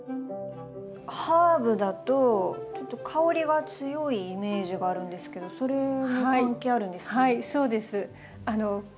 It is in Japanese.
ハーブだとちょっと香りが強いイメージがあるんですけどそれも関係あるんですか？